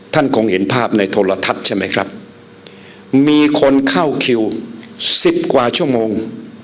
ท่านคงเห็นภาพในโทรทัศน์ใช่ไหมครับมีคนเข้าคิวสิบกว่าชั่วโมง